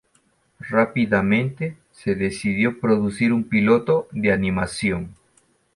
Rápidamente se decidió producir un piloto de animación.